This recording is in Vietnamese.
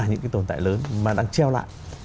những cái tồn tại lớn mà đang treo lại